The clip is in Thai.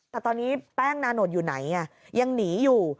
แต่ตอนนี้แป้งนานนทอยู่ไหนยังหนีอยู่